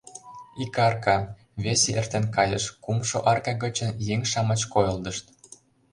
Ик арка, весе эртен кайыш, кумшо арка гычын еҥ-шамыч койылдышт.